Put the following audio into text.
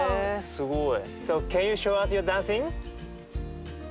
すごい。